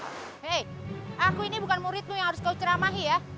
hei aku ini bukan muridmu yang harus kau ceramai ya